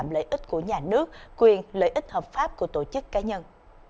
lợi ích hợp pháp của tổ chức cá nhân